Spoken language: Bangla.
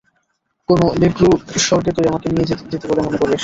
কোন নিগ্রো স্বর্গে তুই আমাকে নিয়ে যেতি বলে মনে করিস?